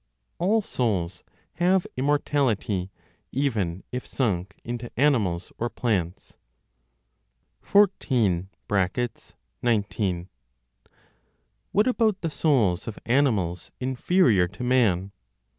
ALL SOULS HAVE IMMORTALITY, EVEN IF SUNK INTO ANIMALS OR PLANTS. 14. (19). What about the souls of animals inferior to man?